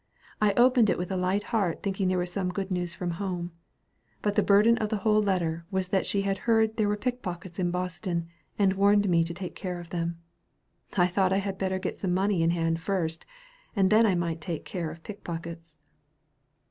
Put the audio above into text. I opened it with a light heart thinking there was some good news from home, but the burden of the whole letter was that she had heard there were pickpockets in Boston, and warned me to take care of them. I thought I had better get some money in hand first, and then I might take care of pickpockets."